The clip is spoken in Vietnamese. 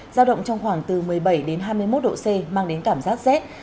giao động trong khoảng từ một mươi bảy đến hai mươi một độ c mang đến cảm giác rét